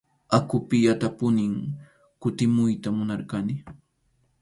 Aqupiyatapunim kutimuyta munarqani.